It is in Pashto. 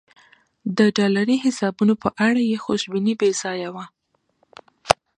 د ډالري حسابونو په اړه یې خوشبیني بې ځایه وه.